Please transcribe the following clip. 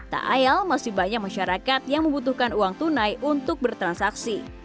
tak ayal masih banyak masyarakat yang membutuhkan uang tunai untuk bertransaksi